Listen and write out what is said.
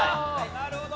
なるほど！